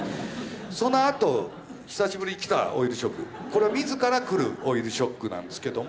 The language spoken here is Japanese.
そのあと久しぶりに来た老いるショックこれは自ら来る老いるショックなんですけども。